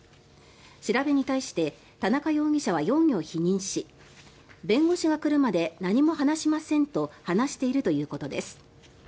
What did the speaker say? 調べに対して田中容疑者は容疑を否認し弁護士が来るまで何も話しませんと話しているということです。